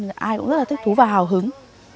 ai cũng rất là thích thú và hào hứng